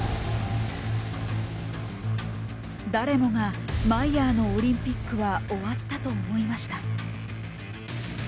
誰もがマイヤーのオリンピックは終わったと思いました。